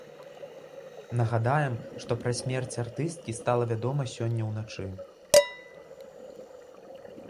Нагадаем, што пра смерць артысткі стала вядома сёння ўначы.